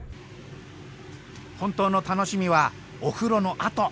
本当の楽しみはお風呂のあと！